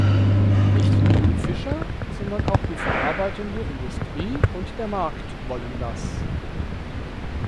Nicht nur die Fischer, sondern auch die verarbeitende Industrie und der Markt wollen das.